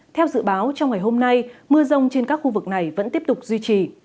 theo dự báo trong ngày hôm nay mưa rông trên các khu vực này vẫn tiếp tục duy trì